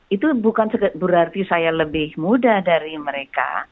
itu bukan berarti saya lebih muda dari mereka